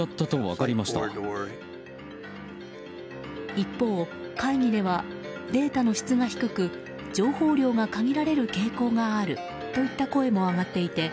一方、会議ではデータの質が低く情報量が限られる傾向があるといった声も上がっていて